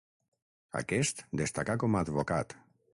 Aquest destacà com a advocat.